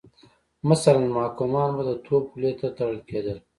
مثلا محکومان به د توپ خولې ته تړل کېدل.